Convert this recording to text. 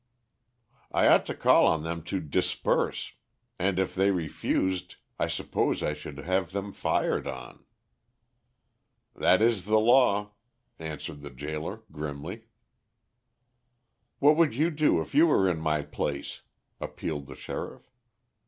"I ought to call on them to disperse, and if they refused I suppose I should have them fired on." "That is the law," answered the gaoler, grimly. "What would you do if you were in my place?" appealed the sheriff.